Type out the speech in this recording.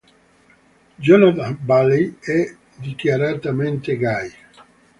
Jonathan Bailey è dichiaratamente gay.